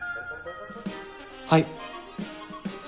はい。